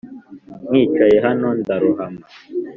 nkicaye hano ndarohama